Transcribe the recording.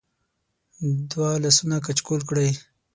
د وه لاسونه کچکول کړی